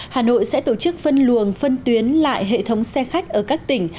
hà nội sẽ tổ chức phân luồng phân tuyến lại hệ thống xe khách ở các tỉnh